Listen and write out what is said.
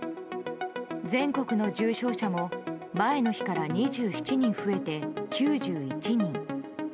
全国の重症者も前の日から２７人増えて９１人。